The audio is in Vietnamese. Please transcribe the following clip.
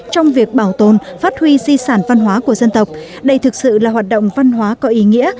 trong việc bảo tồn phát huy di sản văn hóa của dân tộc đây thực sự là hoạt động văn hóa có ý nghĩa